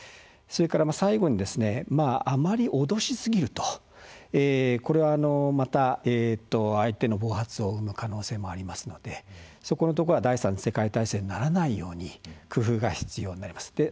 それから、最後にあまり脅しすぎるとこれは、また相手の暴発を生む可能性がありますのでそこのところは第３次世界大戦にならないように工夫が必要になります。